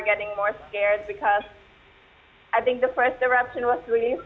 jadi anda merasa seperti ada sesuatu anda tahu ada sesuatu yang berlaku